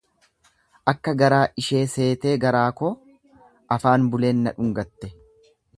Akka garaa ishee seetee garaa koo, afaan buleen na dhungatte.